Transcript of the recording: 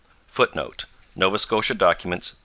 [Footnote: Nova Scotia Documents, p.